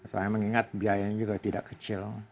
soalnya mengingat biayanya juga tidak kecil